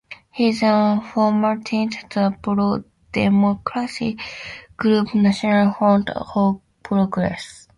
He then formed the pro-democracy group National Front for Progress.